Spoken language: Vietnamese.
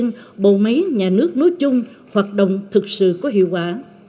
nhưng bộ máy nhà nước nói chung hoạt động thực sự có hiệu quả